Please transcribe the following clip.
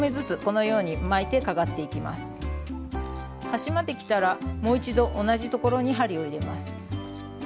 端まできたらもう一度同じところに針を入れます。